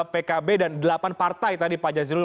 pkb dan delapan partai